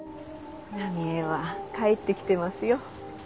奈美絵は帰ってきてますよ。